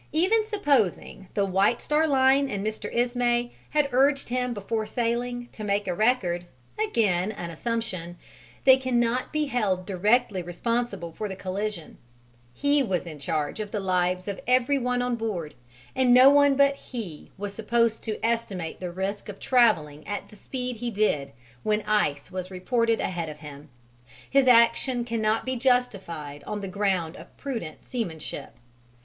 Even supposing the White Star Line and Mr. Ismay had urged him before sailing to make a record, again an assumption, they cannot be held directly responsible for the collision: he was in charge of the lives of everyone on board and no one but he was supposed to estimate the risk of travelling at the speed he did, when ice was reported ahead of him. His action cannot be justified on the ground of prudent seamanship.